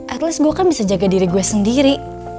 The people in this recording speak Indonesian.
atleast gue kan bisa jaga diri gue sendiri